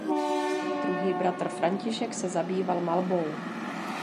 Druhý bratr František se zabýval malbou.